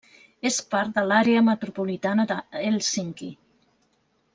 És part de l'àrea metropolitana de Hèlsinki.